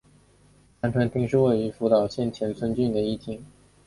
三春町是位于福岛县田村郡的一町。